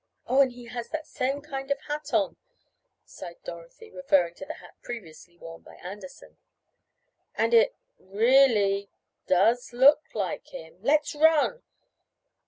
"Oh, and he has that same kind of hat on," sighed Dorothy, referring to the hat previously worn by Anderson. "And it really does look like him! Let's run!